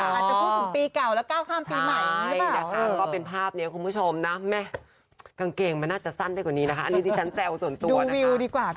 แต่พูดถึงปีเก่าแล้วก้าวข้ามปีใหม่ใช่นะคะก็เป็นภาพนี้คุณผู้ชมนะแม่กางเกงมันน่าจะสั้นได้กว่านี้นะคะอันนี้ดิฉันแซวส่วนตัวนะคะ